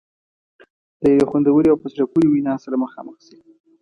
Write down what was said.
د یوې خوندورې او په زړه پورې وینا سره مخامخ شي.